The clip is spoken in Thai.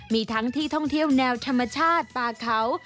มีทั้งที่ท่องเที่ยวแนวธรรมชาติป่าเขา